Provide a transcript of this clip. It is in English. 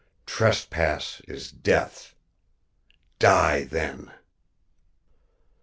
Trespass is death. Die, then."